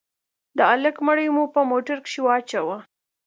د هلك مړى مو په موټر کښې واچاوه.